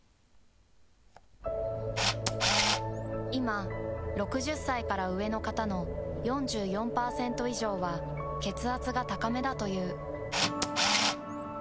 いま６０歳から上の方の４４％以上は血圧が高めだという。